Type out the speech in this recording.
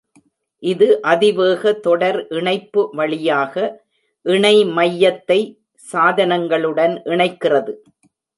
இது அதிவேக தொடர் இணைப்பு வழியாக இணைமையத்தை சாதனங்களுடன் இணைக்கிறது.